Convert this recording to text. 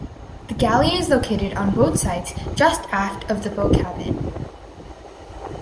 The galley is located on both sides just aft of the bow cabin.